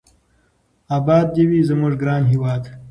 اباد دې وي زموږ ګران هېواد.